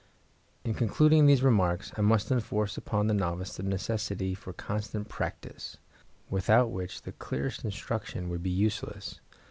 In concluding these remarks I must enforce upon the novice the necessity for constant practice, without which the clearest instruction would be useless.